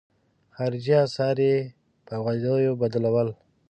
خارجي اسعار یې په افغانیو بدلول.